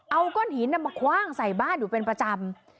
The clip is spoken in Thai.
เอาก้อนหินมาคว่างใส่บ้านอยู่เป็นประจำ